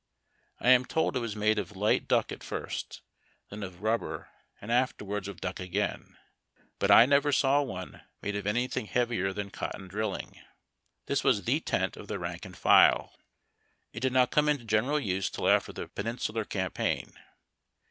I am told it was made of light duck at first, then of rubber, and afterwards of duck again, but /never saw one made of anything heavier than cotton drilling. This was fJie tent of the rank and file. It did not come into general use till after the Peninsular Cam paign.